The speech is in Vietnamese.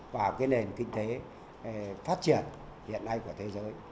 vào cái nền kinh tế phát triển hiện nay của thế giới